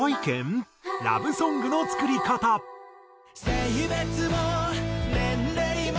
「性別も年齢も」